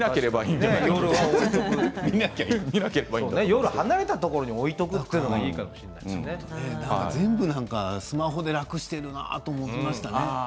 夜、離れたところに置いて全部スマホで楽しているなと思いました。